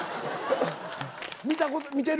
見てる？